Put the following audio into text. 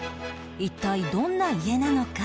一体どんな家なのか？